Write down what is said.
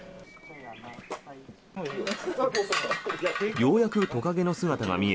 ようやくトカゲの姿が見え